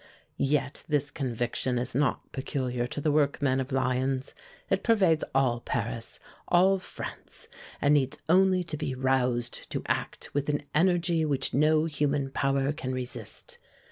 Yet this conviction is not peculiar to the workmen of Lyons. It pervades all Paris, all France, and needs only to be roused to act with an energy which no human power can resist.